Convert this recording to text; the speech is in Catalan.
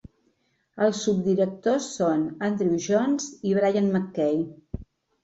Els subdirectors són Andrew Jones i Brian Mackey.